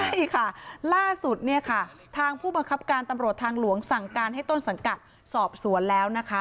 ใช่ค่ะล่าสุดเนี่ยค่ะทางผู้บังคับการตำรวจทางหลวงสั่งการให้ต้นสังกัดสอบสวนแล้วนะคะ